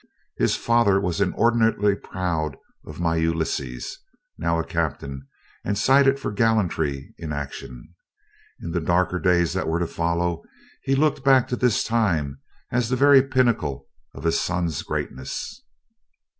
His father was inordinately proud of "my Ulysses," now a captain and cited for gallantry in action. In the darker days that were to follow, he looked back to this time as the very pinnacle of his son's greatness.